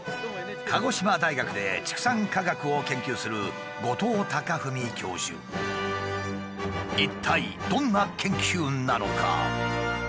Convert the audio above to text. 鹿児島大学で畜産科学を研究する一体どんな研究なのか？